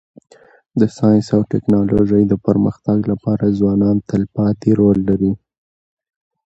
د ساینس او ټکنالوژی د پرمختګ لپاره ځوانان تلپاتي رول لري.